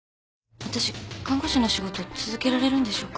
わたし看護師の仕事続けられるんでしょうか？